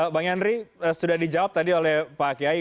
pak yandri sudah dijawab tadi oleh pak landa pak kiai